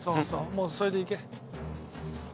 もうそれでいけ。